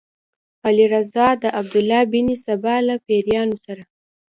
علي رض د عبدالله بن سبا له پیروانو سره.